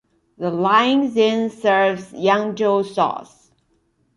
The line then serves Yangzhou South.